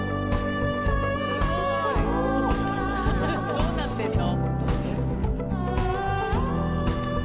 どうなってるの？